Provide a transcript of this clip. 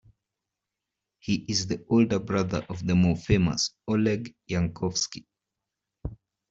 He is the older brother of the more famous Oleg Yankovsky.